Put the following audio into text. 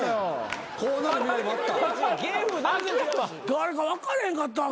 誰か分からへんかったわ。